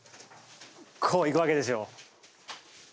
こう行くわけですよ。